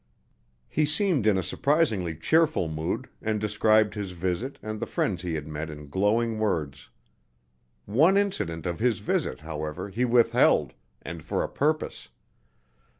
He seemed in a surprisingly cheerful mood, and described his visit and the friends he had met in glowing words. One incident of his visit, however, he withheld, and for a purpose.